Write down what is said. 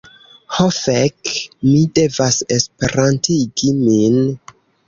Ho fek, mi devas Esperantigi min.